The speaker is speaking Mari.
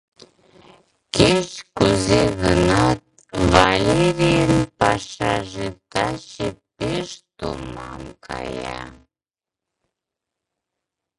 Кеч-кузе гынат, Валерийын пашаже таче пеш томам кая.